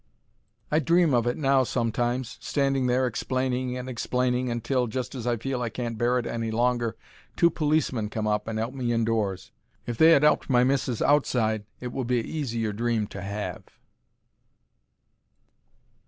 I dream of it now sometimes: standing there explaining and explaining, until, just as I feel I can't bear it any longer, two policemen come up and 'elp me indoors. If they had 'elped my missis outside it would be a easier dream to have.